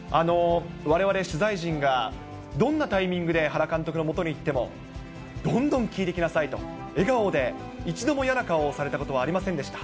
われわれ取材陣がどんなタイミングで原監督のもとに行っても、どんどん聞いてきなさいと、笑顔で、一度も嫌な顔をされたことはありませんでした。